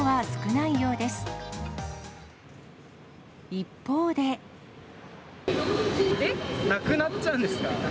なくなっちゃうんですか。